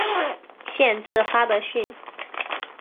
县治哈得逊。